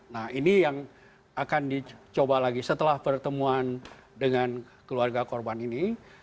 nah ini yang akan dicoba lagi setelah pertemuan dengan keluarga korban ini